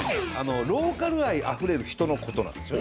ローカル愛あふれる人のことなんですよね。